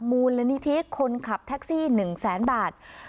มูลนิธิคนขับแท็กซี่๑แสนบาท